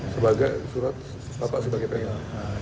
sebagai surat apa sebagai penunjukan